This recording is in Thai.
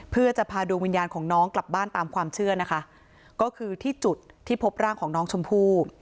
เพื่อจะพาดวงวิญญาณของน้องกลับบ้านตามความเชื่อนะคะก็คือที่จุดที่พบร่างของน้องชมพู่